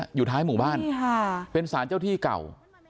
อยู่ท้ายหมู่บ้านเป็นสารเจ้าที่เก่า